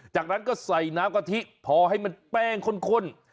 จากนั้นก็ใส่น้ำกะทิพอให้มันแป้งข้น